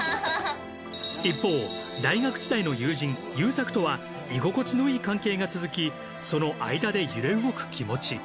一方大学時代の友人勇作とは居心地のいい関係が続きその間で揺れ動く気持ち。